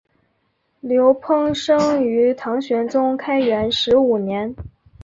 刘怦生于唐玄宗开元十五年。